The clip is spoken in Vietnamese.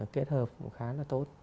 kết hợp cũng khá là tốt